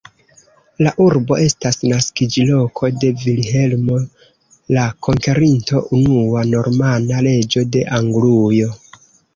La urbo estas naskiĝloko de Vilhelmo la Konkerinto, unua normana reĝo de Anglujo.